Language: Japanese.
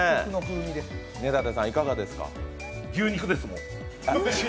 牛肉です、もう。